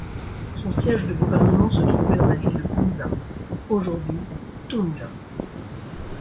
Son siège de gouvernement se trouvait dans la ville de Hunza, aujourd'hui Tunja.